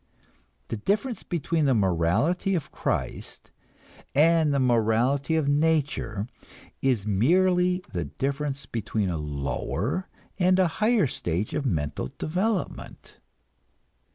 The difference between the morality of Christ and the morality of nature is merely the difference between a lower and a higher stage of mental development.